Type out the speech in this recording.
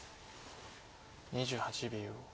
２８秒。